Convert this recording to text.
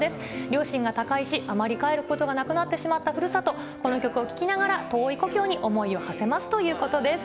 両親が他界し、あまり帰ることがなくなってしまったふるさと、この曲を聴きながら、遠い故郷に思いをはせますということです。